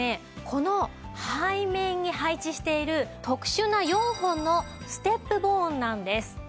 この背面に配置している特殊な４本のステップボーンなんです。